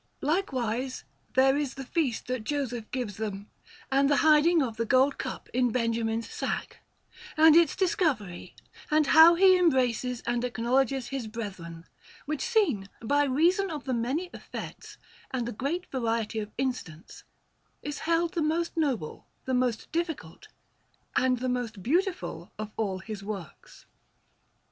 Likewise there is the feast that Joseph gives them, and the hiding of the gold cup in Benjamin's sack, and its discovery, and how he embraces and acknowledges his brethren; which scene, by reason of the many effects and the great variety of incidents, is held the most noble, the most difficult, and the most beautiful of all his works.